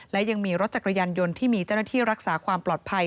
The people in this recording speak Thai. และยังมีรถจักรยานยนต์ที่มีเจ้าหน้าที่รักษาความปลอดภัย